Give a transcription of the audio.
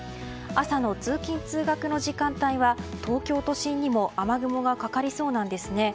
朝の通勤・通学時間帯は東京都心にも雨雲がかかりそうなんですね。